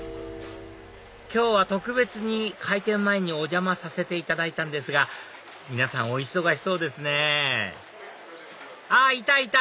今日は特別に開店前にお邪魔させていただいたんですが皆さんお忙しそうですねあっいたいた！